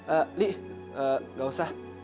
eh li gak usah